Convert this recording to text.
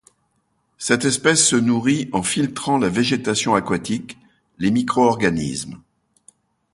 Cette espèce se nourrit en filtrant la végétation aquatique, les micro-organismes.